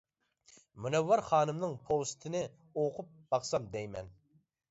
مۇنەۋۋەر خانىمنىڭ پوۋېستىنى ئوقۇپ باقسام دەيمەن.